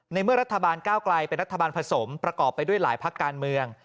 เมื่อรัฐบาลก้าวไกลเป็นรัฐบาลผสมประกอบไปด้วยหลายพักการเมือง